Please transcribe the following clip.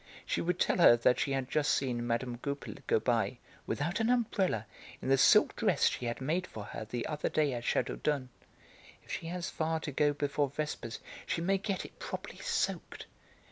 She would tell her that she had just seen Mme. Goupil go by "without an umbrella, in the silk dress she had made for her the other day at Châteaudun. If she has far to go before vespers, she may get it properly soaked."